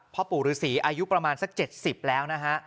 พ่อปู่รือศรีอายุประมาณสัก๗๐แล้วนะฮะ